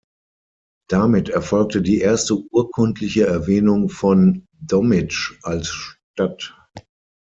Damit erfolgte die erste urkundliche Erwähnung von Dommitzsch als Stadt.